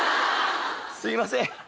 すいません